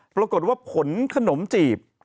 ปรากฏว่าผลขนมจีบ